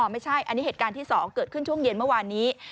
ไม่ใช่อันนี้เหตุการณ์ที่๒เกิดขึ้นช่วงเย็นเมื่อวานนี้